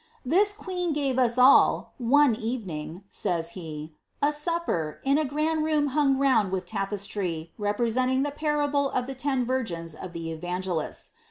"This queen gave us all, one even ing," says he, '^s supper, in a grand room hung round with tapestry, re [»«seniing the parable of the ten virgins of the Evangelists.